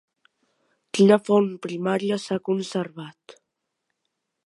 Quina font primària s'ha conservat?